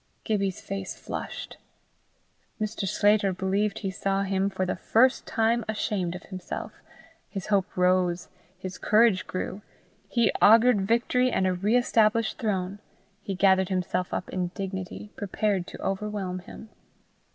Gibbie's face flushed. Mr. Sclater believed he saw him for the first time ashamed of himself; his hope rose; his courage grew; he augured victory and a re established throne: he gathered himself up in dignity, prepared to overwhelm him.